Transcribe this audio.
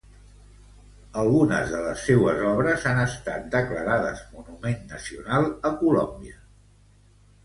Algunes de les seues obres han estat declarades Monument Nacional a Colòmbia.